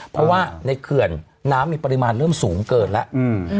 เพราะว่าในเขื่อนน้ำมีปริมาณเริ่มสูงเกินแล้ว